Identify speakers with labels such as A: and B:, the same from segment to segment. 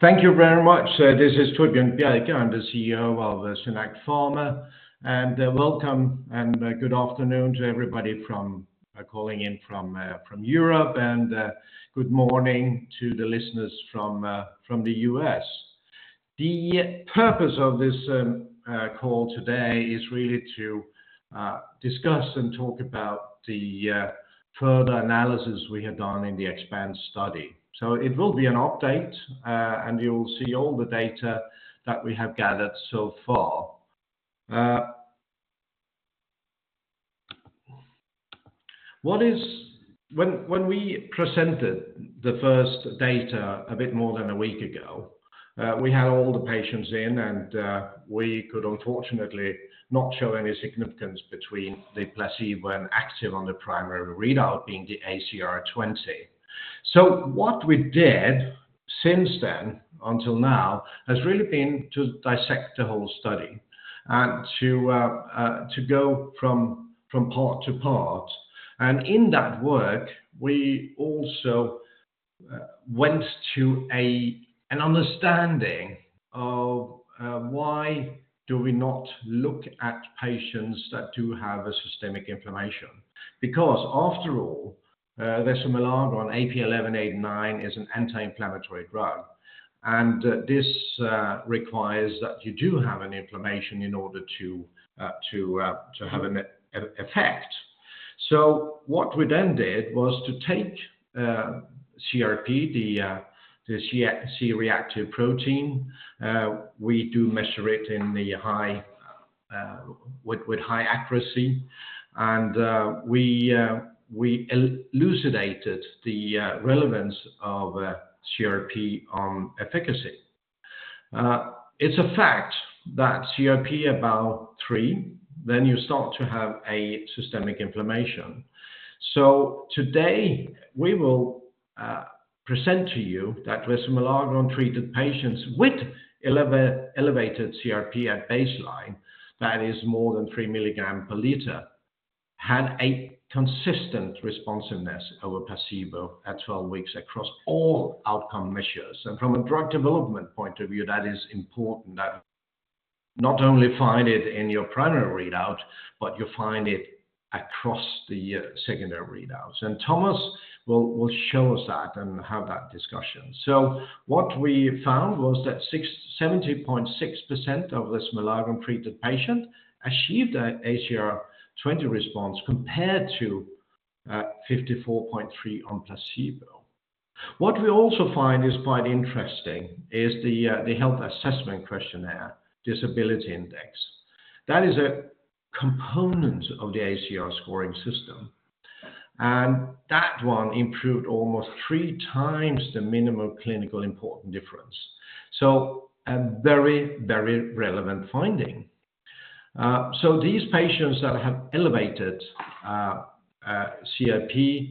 A: Thank you very much. This is Torbjørn Bjerke. I'm the CEO of SynAct Pharma, and welcome and good afternoon to everybody from calling in from from Europe, and good morning to the listeners from from the U.S. The purpose of this call today is really to discuss and talk about the further analysis we have done in the EXPAND study. So it will be an update, and you'll see all the data that we have gathered so far. When we presented the first data a bit more than a week ago, we had all the patients in, and we could unfortunately not show any significance between the placebo and active on the primary readout being the ACR20. So what we did since then until now has really been to dissect the whole study and to go from part to part. And in that work, we also went to an understanding of why do we not look at patients that do have a systemic inflammation? Because after all, resomelagon or AP1189 is an anti-inflammatory drug, and this requires that you do have an inflammation in order to have an effect. So what we then did was to take CRP, the C-reactive protein. We do measure it with high accuracy, and we elucidated the relevance of CRP on efficacy. It's a fact that CRP above three, then you start to have a systemic inflammation. So today we will present to you that resomelagon-treated patients with elevated CRP at baseline, that is more than 3 milligrams per liter, had a consistent responsiveness over placebo at 12 weeks across all outcome measures. And from a drug development point of view, that is important, that not only find it in your primary readout, but you find it across the secondary readouts. And Thomas will show us that and have that discussion. So what we found was that 67.6% of resomelagon-treated patients achieved an ACR20 response, compared to 54.3% on placebo. What we also find is quite interesting is the health assessment questionnaire disability index. That is a component of the ACR scoring system, and that one improved almost three times the minimal clinically important difference. So a very, very relevant finding. So these patients that have elevated CRP,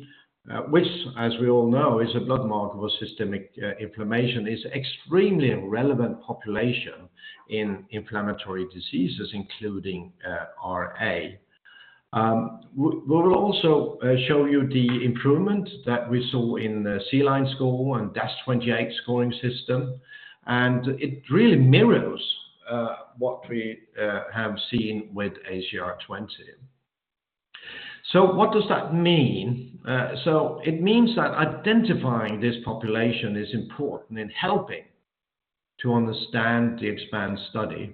A: which, as we all know, is a blood marker for systemic inflammation, is extremely relevant population in inflammatory diseases, including RA. We will also show you the improvement that we saw in the CDAI score and DAS28 scoring system, and it really mirrors what we have seen with ACR20. So what does that mean? So it means that identifying this population is important in helping to understand the EXPAND study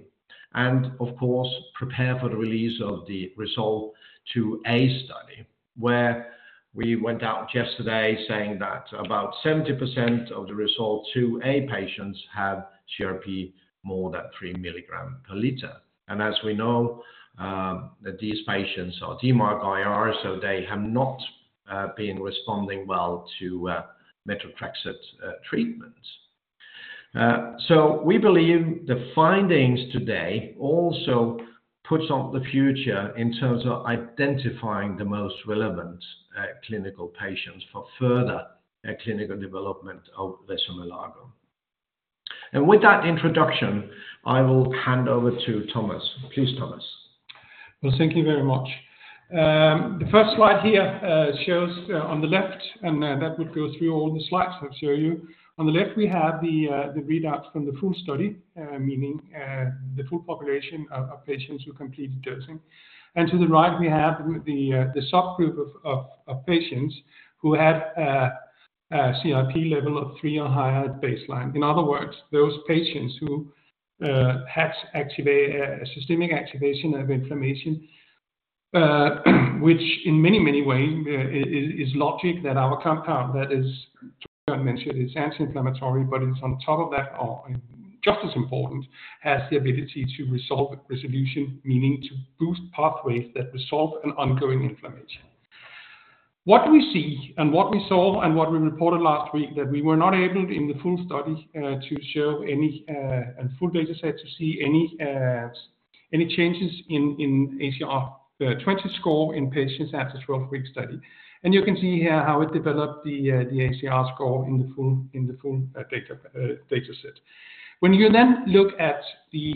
A: and of course, prepare for the release of the RESOLVE-2A study where we went out yesterday saying that about 70% of the RESOLVE-2A patients have CRP more than 3 milligrams per liter. And as we know, that these patients are DMARD-IR, so they have not been responding well to methotrexate treatment. So, we believe the findings today also puts on the future in terms of identifying the most relevant, clinical patients for further, clinical development of resomelagon. And with that introduction, I will hand over to Thomas. Please, Thomas.
B: Well, thank you very much. The first slide here shows on the left, and that would go through all the slides I'll show you. On the left, we have the readouts from the full study, meaning the full population of patients who completed dosing. And to the right, we have the subgroup of patients who had a CRP level of three or higher at baseline. In other words, those patients who had active systemic activation of inflammation, which in many ways is logical that our compound, that is, Torbjørn mentioned, it's anti-inflammatory, but it's on top of that, just as important, has the ability to resolve resolution, meaning to boost pathways that resolve an ongoing inflammation. What we see and what we saw and what we reported last week, that we were not able in the full study to show any, and full data set, to see any any changes in ACR20 score in patients after 12-week study. You can see here how it developed the ACR score in the full data set. When you then look at the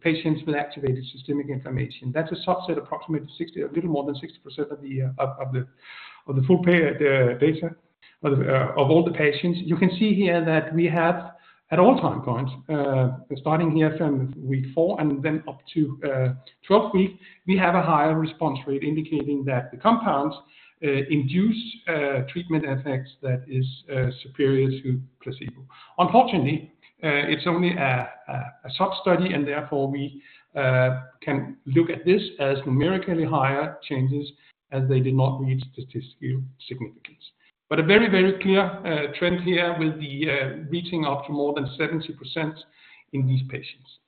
B: patients with activated systemic inflammation, that's a subset approximately 60, a little more than 60% of the full data of all the patients. You can see here that we have, at all time points, starting here from week four, and then up to, 12 weeks, we have a higher response rate, indicating that the compounds, induce, treatment effects that is, superior to placebo. Unfortunately, it's only a sub-study, and therefore, we, can look at this as numerically higher changes, as they did not reach statistical significance. But a very, very clear, trend here with the, reaching up to more than 70% in these patients.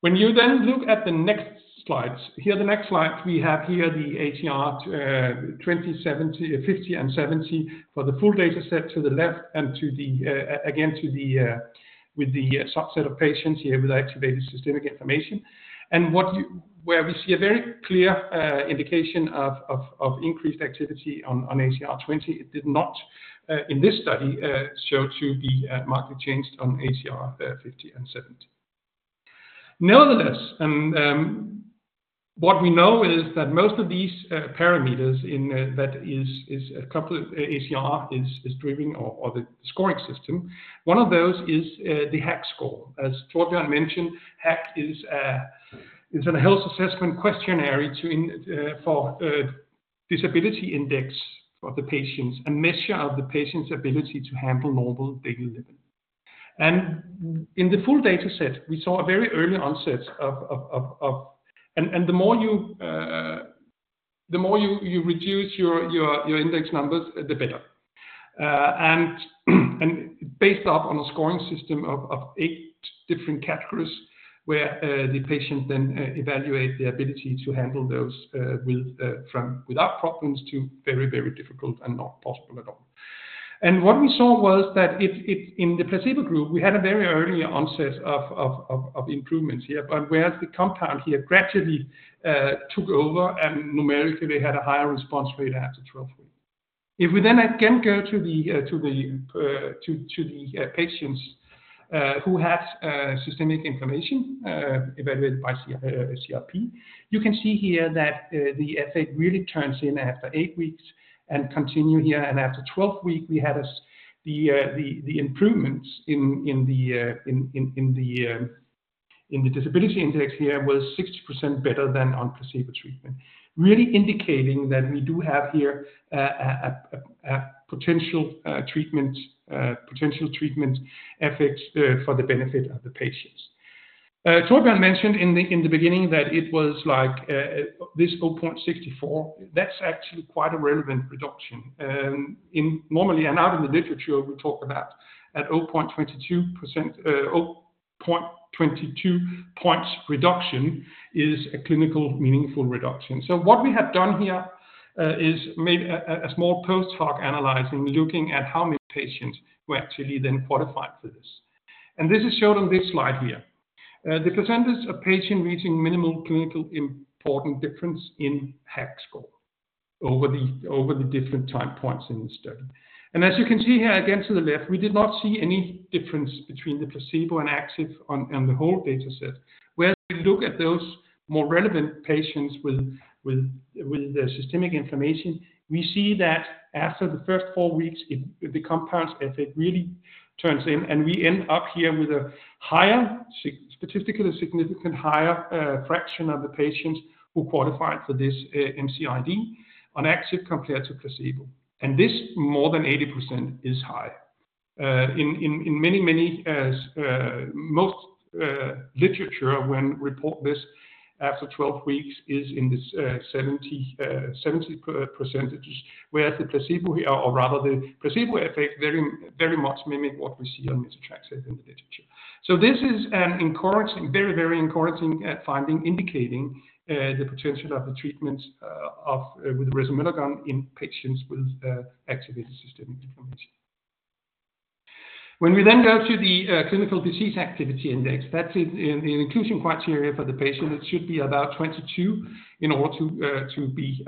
B: When you then look at the next slides, here, the next slide, we have here the ACR20, 70, 50, and 70 for the full data set to the left and to the, again, to the, with the subset of patients here with activated systemic inflammation. What you, where we see a very clear indication of increased activity on ACR20, it did not in this study show to be markedly changed on ACR 50 and 70. Nevertheless, what we know is that most of these parameters, that is a couple of ACR is driving the scoring system. One of those is the HAQ score. As Torbjørn mentioned, HAQ is a health assessment questionnaire disability index for the patients, a measure of the patient's ability to handle normal daily living. And in the full data set, we saw a very early onset. And the more you reduce your index numbers, the better. Based on a scoring system of eight different categories, where the patient then evaluate the ability to handle those from without problems to very, very difficult and not possible at all. And what we saw was that in the placebo group, we had a very early onset of improvements here, but whereas the compound here gradually took over and numerically had a higher response rate after 12 weeks. If we then again go to the patients who had systemic inflammation evaluated by CRP, you can see here that the effect really turns in after 8 weeks and continue here. And after 12 weeks, we had the improvements in the disability index here was 60% better than on placebo treatment. Really indicating that we do have here a potential treatment effects for the benefit of the patients. Torbjørn mentioned in the beginning that it was like this 0.64, that's actually quite a relevant reduction. In normal, and out in the literature, we talk about 0.22 points reduction is a clinically meaningful reduction. So what we have done here is made a small post-hoc analysis, looking at how many patients were actually then qualified for this. And this is shown on this slide here. The percentage of patients reaching minimal clinically important difference in HAQ score over the different time points in the study. And as you can see here, again, to the left, we did not see any difference between the placebo and active on the whole data set. When we look at those more relevant patients with the systemic inflammation, we see that after the first four weeks, the compound's effect really turns in, and we end up here with a higher, statistically significant, higher, fraction of the patients who qualified for this, MCID on active compared to placebo. And this more than 80% is high. In most literature when report this after 12 weeks is in this 70%, whereas the placebo here, or rather the placebo effect, very, very much mimic what we see on rituximab in the literature. So this is an encouraging, very, very encouraging finding, indicating the potential of the treatment with resomelagon in patients with activated systemic inflammation. When we then go to the clinical disease activity index, that's in the inclusion criteria for the patient, it should be about 22 in order to to be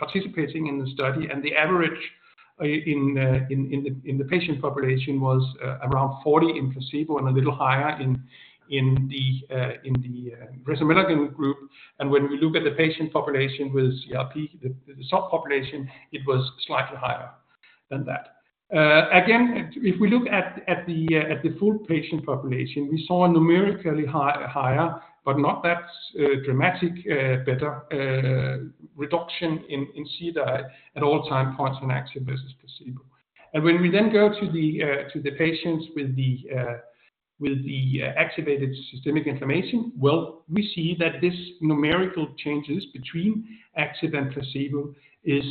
B: participating in the study. And the average in the patient population was around 40 in placebo and a little higher in the resomelagon group. And when we look at the patient population with CRP, the subpopulation, it was slightly higher than that. Again, if we look at the full patient population, we saw a numerically higher, but not that dramatic better reduction in CDAI at all time points in active versus placebo. And when we then go to the patients with the activated systemic inflammation, well, we see that this numerical changes between active and placebo is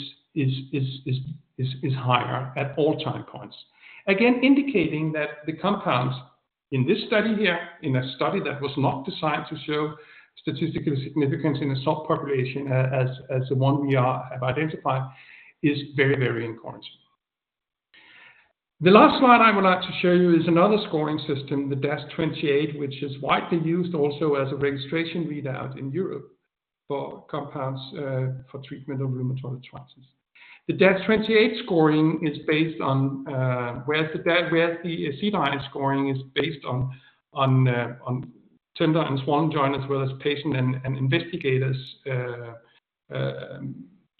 B: higher at all time points. Again, indicating that the compounds in this study here, in a study that was not designed to show statistical significance in a subpopulation as the one we have identified, is very, very encouraging. The last slide I would like to show you is another scoring system, the DAS28, which is widely used also as a registration readout in Europe for compounds for treatment of rheumatoid arthritis. The DAS28 scoring is based on where the CDAI scoring is based on tender and swollen joint, as well as patient and investigators'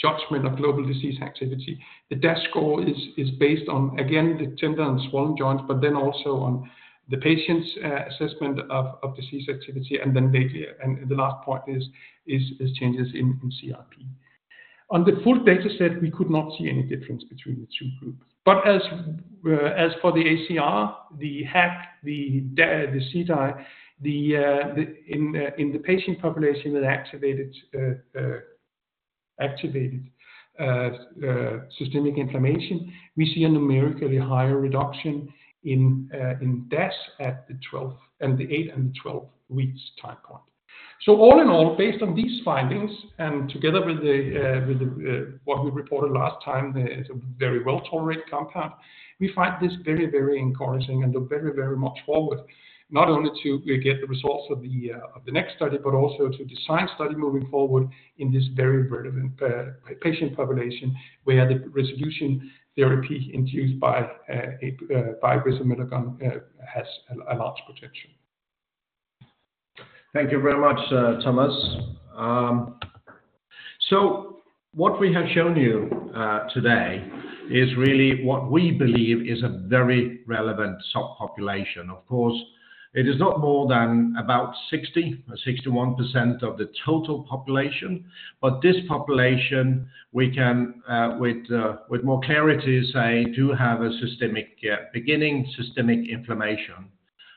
B: judgment of global disease activity. The DAS score is based on, again, the tender and swollen joints, but then also on the patient's assessment of disease activity, and then data, and the last point is changes in CRP. On the full dataset, we could not see any difference between the two groups. But as for the ACR, the HAQ, the DAS, the CDAI, in the patient population that activated systemic inflammation, we see a numerically higher reduction in DAS at the 12th, and the 8th and the 12th weeks time point. So all in all, based on these findings, and together with the what we reported last time, it's a very well-tolerated compound, we find this very, very encouraging and look very, very much forward, not only to get the results of the next study, but also to design study moving forward in this very relevant patient population, where the resolution therapy induced by resomelagon has a large potential.
A: Thank you very much, Thomas. So what we have shown you today is really what we believe is a very relevant subpopulation. Of course, it is not more than about 60 or 61% of the total population, but this population, we can, with more clarity, say, do have a systemic beginning systemic inflammation.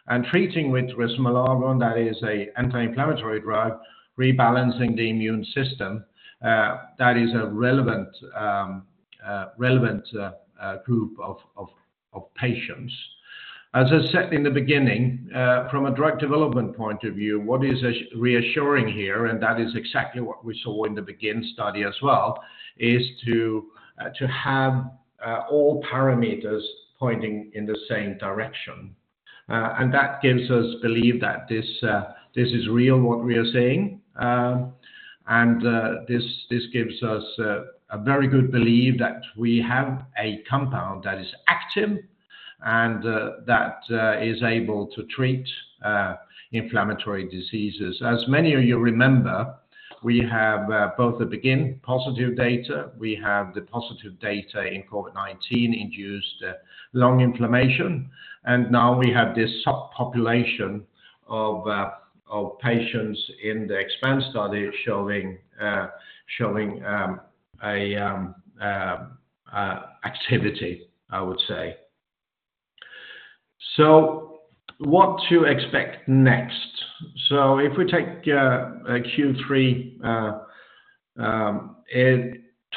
A: And treating with resomelagon, that is a anti-inflammatory drug, rebalancing the immune system, that is a relevant group of patients. As I said in the beginning, from a drug development point of view, what is reassuring here, and that is exactly what we saw in the BEGIN study as well, is to have all parameters pointing in the same direction. And that gives us belief that this is real, what we are seeing. This gives us a very good belief that we have a compound that is active and that is able to treat inflammatory diseases. As many of you remember, we have both the BEGIN positive data, we have the positive data in COVID-19-induced lung inflammation, and now we have this subpopulation of patients in the EXPAND study showing activity, I would say. What to expect next? If we take a Q3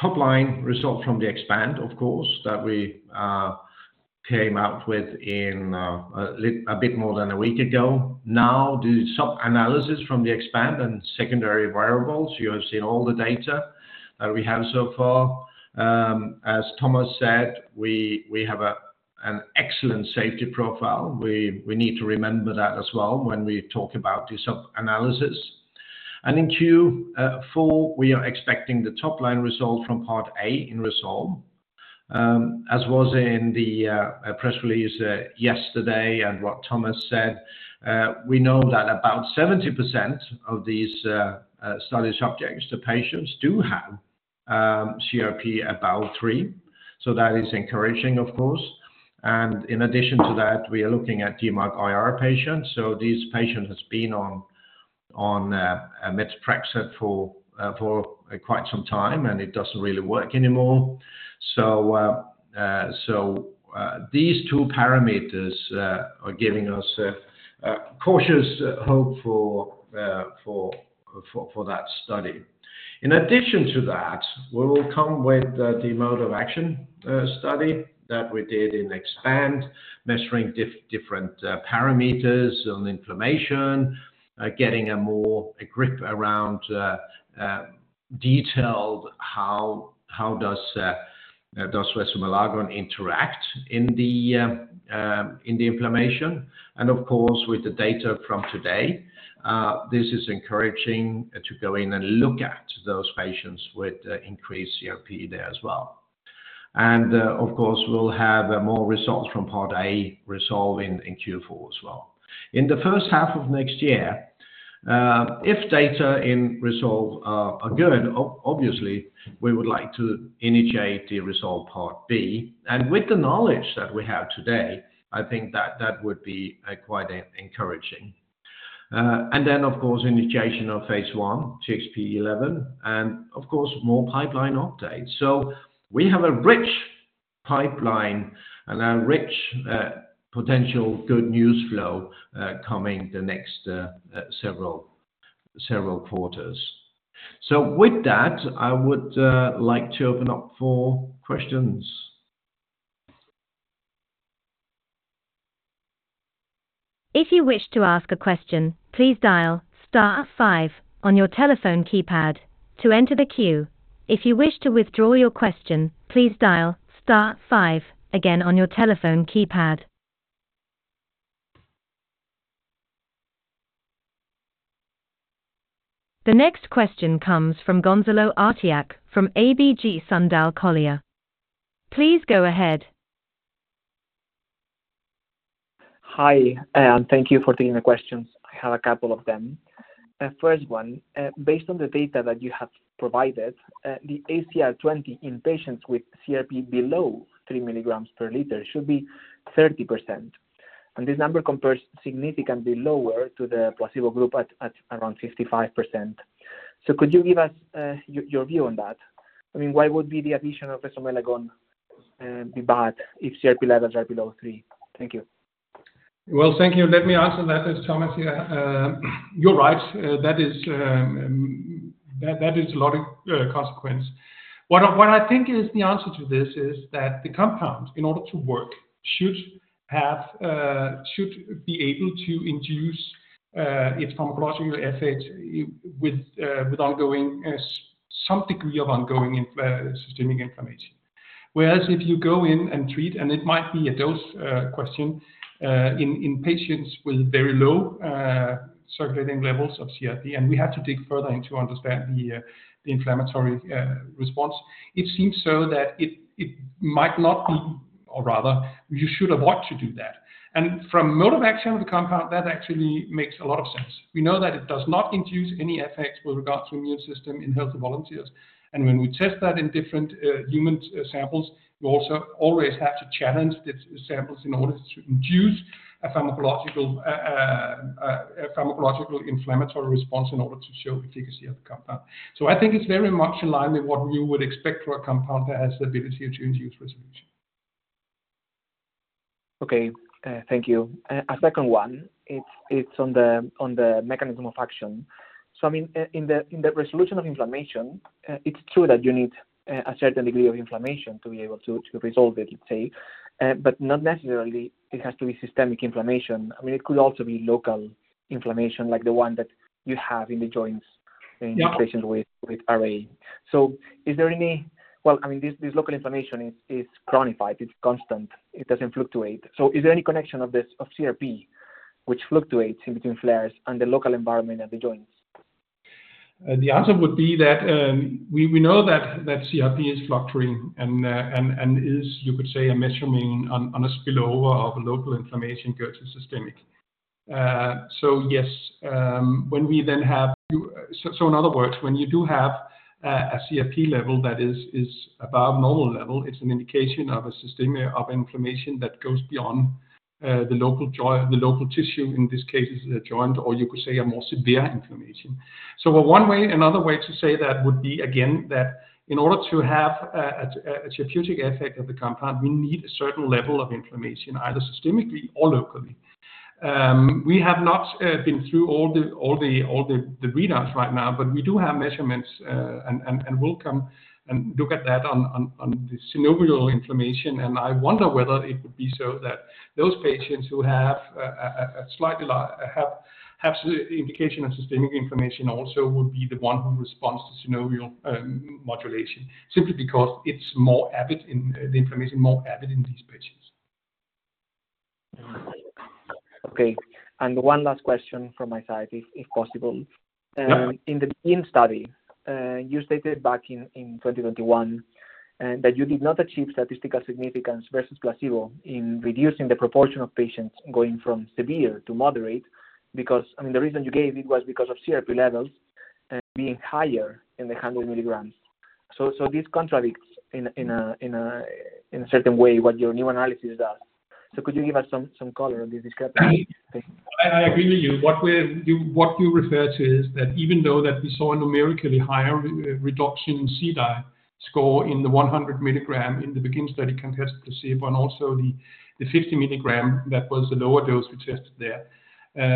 A: top-line result from the EXPAND, of course, that we came out with a bit more than a week ago. Now, the sub-analysis from the EXPAND and secondary variables, you have seen all the data that we have so far. As Thomas said, we have an excellent safety profile. We need to remember that as well when we talk about the sub-analysis. In Q4, we are expecting the top-line result from part A in RESOLVE. As was in the press release yesterday and what Thomas said, we know that about 70% of these study subjects, the patients, do have CRP about three, so that is encouraging, of course. In addition to that, we are looking at DMARD IR patients. So these patients has been on methotrexate for quite some time, and it doesn't really work anymore. So these two parameters are giving us a cautious hope for that study. In addition to that, we will come with the mode of action study that we did in EXPAND, measuring different parameters on inflammation, getting a more grip around detailed how does resomelagon interact in the inflammation? And of course, with the data from today, this is encouraging to go in and look at those patients with increased CRP there as well. And, of course, we'll have more results from part A RESOLVE in Q4 as well. In the first half of next year, if data in RESOLVE are good, obviously, we would like to initiate the RESOLVE part B. And with the knowledge that we have today, I think that that would be quite encouraging. And then, of course, initiation of phase I, TXP-11, and of course, more pipeline updates. So we have a rich pipeline and a rich, potential good news flow, coming the next several quarters. So with that, I would like to open up for questions.
C: If you wish to ask a question, please dial star five on your telephone keypad to enter the queue. If you wish to withdraw your question, please dial star five again on your telephone keypad. The next question comes from Gonzalo Artiach from ABG Sundal Collier. Please go ahead.
D: Hi, and thank you for taking the questions. I have a couple of them. The first one, based on the data that you have provided, the ACR20 in patients with CRP below 3 mg/L should be 30%, and this number compares significantly lower to the placebo group at around 55%. So could you give us your view on that? I mean, why would be the addition of resomelagon be bad if CRP levels are below three? Thank you.
B: Well, thank you. Let me answer that. It's Thomas here. You're right, that is a lot of consequence. What I think is the answer to this is that the compound, in order to work, should be able to induce its pharmacological effect with ongoing some degree of ongoing systemic inflammation. Whereas if you go in and treat, and it might be a dose question, in patients with very low circulating levels of CRP, and we have to dig further into understand the inflammatory response, it seems so that it might not be, or rather you should avoid to do that. And from mode of action of the compound, that actually makes a lot of sense. We know that it does not induce any effects with regard to immune system in healthy volunteers, and when we test that in different human samples, we also always have to challenge the samples in order to induce a pharmacological inflammatory response in order to show efficacy of the compound. So I think it's very much in line with what we would expect for a compound that has the ability to induce resolution.
D: Okay, thank you. A second one, it's on the mechanism of action. So, I mean, in the resolution of inflammation, it's true that you need a certain degree of inflammation to be able to resolve it, let's say, but not necessarily it has to be systemic inflammation. I mean, it could also be local inflammation, like the one that you have in the joints
B: Yeah.
D: In patients with RA. So is there any. Well, I mean, this local inflammation is chronic, it's constant, it doesn't fluctuate. So is there any connection of this, of CRP, which fluctuates in between flares and the local environment at the joints?
B: The answer would be that, we know that CRP is fluctuating and is, you could say, a measurement on a spillover of local inflammation go to systemic. So yes, when we then have. So, in other words, when you do have a CRP level that is above normal level, it's an indication of a systemic inflammation that goes beyond the local joint, the local tissue, in this case, the joint, or you could say a more severe inflammation. So one way, another way to say that would be, again, that in order to have a therapeutic effect of the compound, we need a certain level of inflammation, either systemically or locally. We have not been through all the readouts right now, but we do have measurements, and we'll come and look at that on the synovial inflammation. I wonder whether it would be so that those patients who have the indication of systemic inflammation also would be the one who responds to synovial modulation, simply because it's more avid in the inflammation more avid in these patients.
D: Okay, and one last question from my side, if possible.
B: Yeah.
D: In the BEGIN study, you stated back in 2021 that you did not achieve statistical significance versus placebo in reducing the proportion of patients going from severe to moderate. Because, I mean, the reason you gave it was because of CRP levels being higher than the 100 milligrams. So this contradicts in a certain way what your new analysis does. So could you give us some color on this discrepancy?
B: I agree with you. What you refer to is that even though that we saw a numerically higher reduction in CDAI score in the 100 milligram in the BEGIN study compared to placebo, and also the 50 milligram, that was the lower dose we tested there.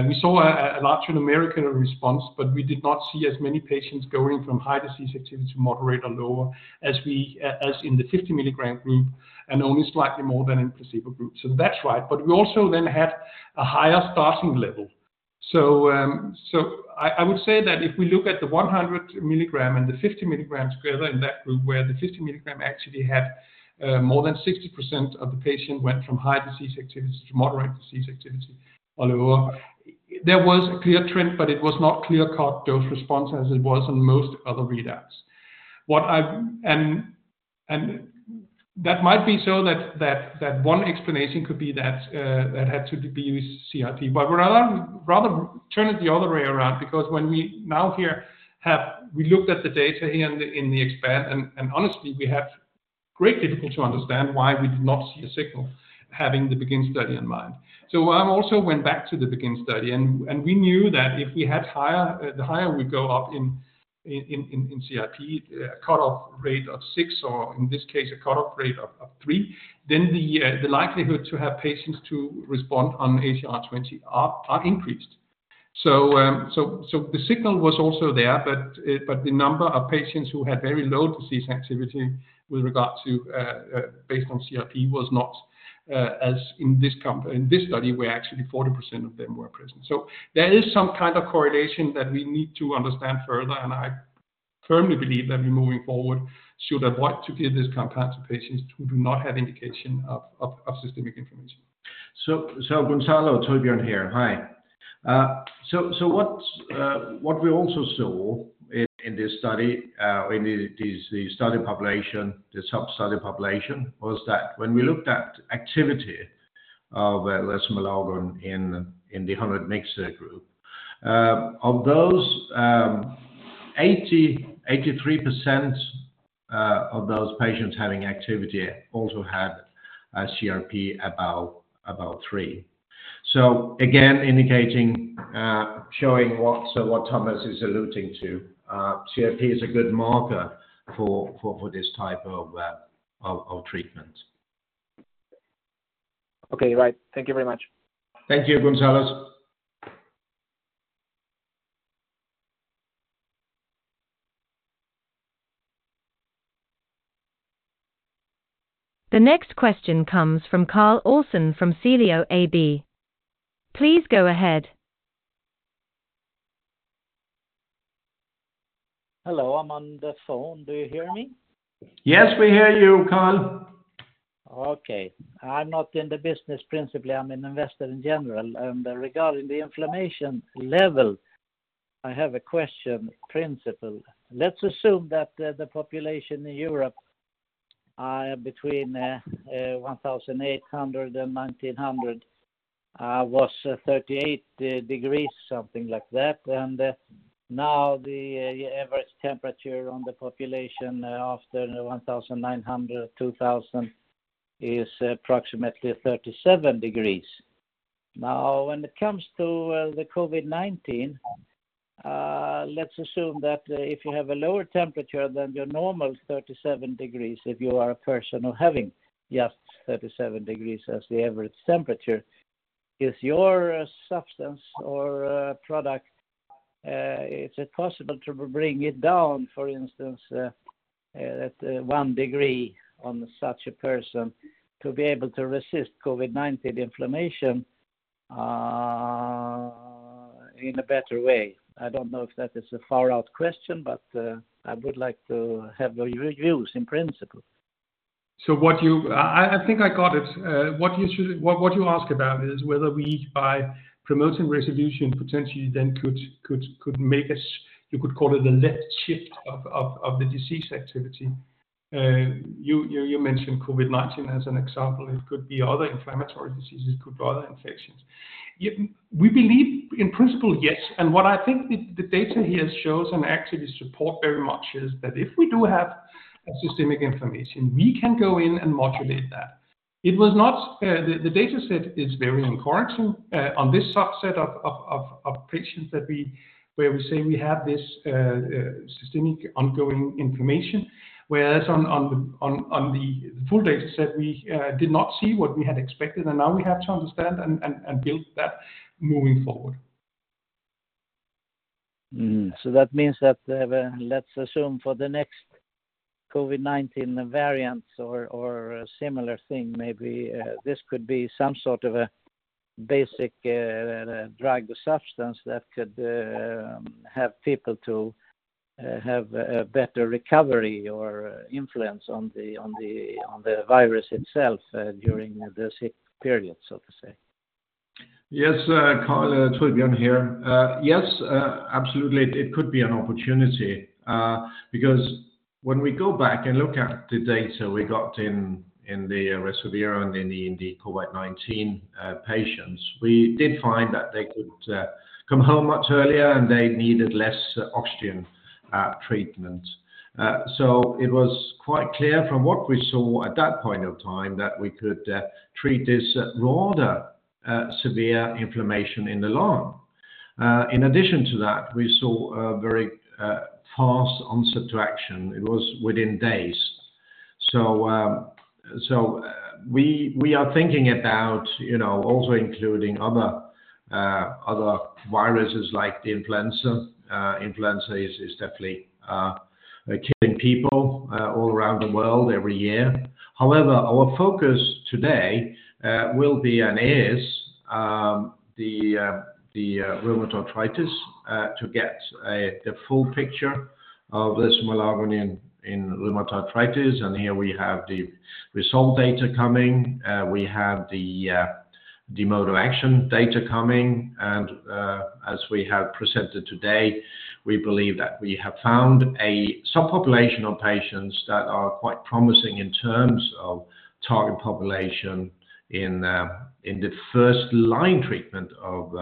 B: We saw a large numerical response, but we did not see as many patients going from high disease activity to moderate or lower as we as in the 50-milligram group, and only slightly more than in placebo group. So that's right. But we also then had a higher starting level. So, I would say that if we look at the 100 milligram and the 50 milligrams together in that group, where the 50 milligram actually had more than 60% of the patient went from high disease activity to moderate disease activity or lower, there was a clear trend, but it was not clear-cut dose response as it was on most other readouts. And that might be so that one explanation could be that that had to do with CRP. But rather turn it the other way around, because when we now here have we looked at the data here in the EXPAND, and honestly, we have great difficulty to understand why we did not see a signal having the BEGIN study in mind. So I also went back to the BEGIN study, and we knew that if we had higher, the higher we go up in CRP, cutoff rate of six, or in this case, a cutoff rate of three, then the likelihood to have patients to respond on ACR20 are increased. So the signal was also there, but the number of patients who had very low disease activity with regard to, based on CRP was not as in this study, where actually 40% of them were present. So there is some kind of correlation that we need to understand further, and I firmly believe that we, moving forward, should avoid to give this compound to patients who do not have indication of systemic inflammation.
A: So, Gonzalo, Torbjørn here. Hi. So, what we also saw in this study, in the study population, the sub-study population, was that when we looked at activity of resomelagon in the 100 mg group, of those, 83% of those patients having activity also had a CRP about three. So again, indicating, showing what Thomas is alluding to, CRP is a good marker for this type of treatment.
D: Okay, right. Thank you very much.
A: Thank you, Gonzalo.
C: The next question comes from Carl Olsson from Celio AB. Please go ahead.
E: Hello, I'm on the phone. Do you hear me?
A: Yes, we hear you, Carl.
E: Okay. I'm not in the business, principally, I'm an investor in general. Regarding the inflammation level, I have a question principle. Let's assume that the population in Europe between 1800 and 1900 was 38 degrees Celsius, something like that, and now the average temperature on the population after 1900, 2000 is approximately 37 degrees Celsius. Now, when it comes to the COVID-19, let's assume that if you have a lower temperature than your normal 37 degrees Celsius, if you are a person who having just 37 degrees Celsius as the average temperature, is your substance or product is it possible to bring it down, for instance, at 1 degree on such a person to be able to resist COVID-19 inflammation in a better way? I don't know if that is a far-out question, but, I would like to have your views in principle.
B: I think I got it. What you should ask about is whether we, by promoting resolution, potentially then could make a, you could call it a left shift of the disease activity. You mentioned COVID-19 as an example. It could be other inflammatory diseases. It could be other infections. We believe in principle, yes, and what I think the data here shows and actually support very much is that if we do have a systemic inflammation, we can go in and modulate that. It was not the data set is very encouraging on this subset of patients that where we say we have this systemic ongoing inflammation, whereas on the full data set, we did not see what we had expected, and now we have to understand and build that moving forward.
E: So that means that, let's assume for the next COVID-19 variants or a similar thing, maybe this could be some sort of a basic drug or substance that could help people to have a better recovery or influence on the virus itself during the sick period, so to say.
A: Yes, Carl, Torbjørn here. Yes, absolutely, it could be an opportunity, because when we go back and look at the data we got in the RESOVIR and in the COVID-19 patients, we did find that they could come home much earlier, and they needed less oxygen treatment. So it was quite clear from what we saw at that point of time, that we could treat this broader severe inflammation in the lung. In addition to that, we saw a very fast onset to action. It was within days. So we are thinking about, you know, also including other viruses like the influenza. Influenza is definitely killing people all around the world every year. However, our focus today will be and is the rheumatoid arthritis to get the full picture of resomelagon in rheumatoid arthritis, and here we have the RESOLVE data coming, we have the mode of action data coming, and, as we have presented today, we believe that we have found a subpopulation of patients that are quite promising in terms of target population in the first line treatment of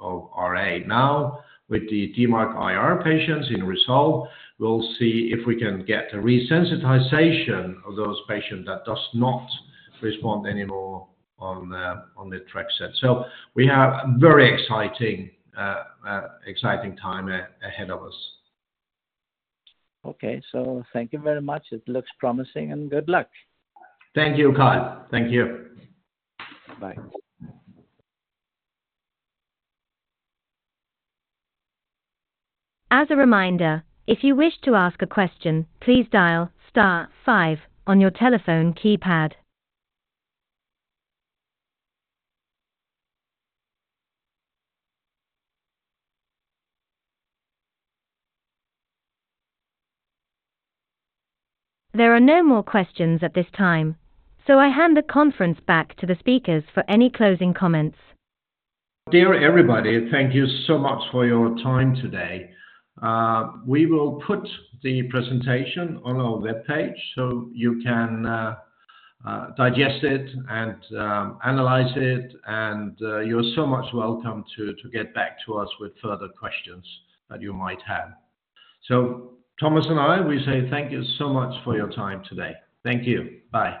A: RA. Now, with the DMARD-IR patients in RESOLVE, we'll see if we can get a resensitization of those patients that does not respond anymore on the methotrexate. So we have very exciting time ahead of us.
E: Okay. So thank you very much. It looks promising, and good luck.
A: Thank you, Carl. Thank you.
E: Bye.
C: As a reminder, if you wish to ask a question, please dial star five on your telephone keypad. There are no more questions at this time, so I hand the conference back to the speakers for any closing comments.
A: Dear everybody, thank you so much for your time today. We will put the presentation on our webpage, so you can digest it and analyze it, and you're so much welcome to get back to us with further questions that you might have. So Thomas and I, we say thank you so much for your time today. Thank you. Bye.